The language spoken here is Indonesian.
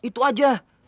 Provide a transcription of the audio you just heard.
itu aja yang kita inginkan